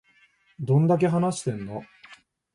どんだけ話してんの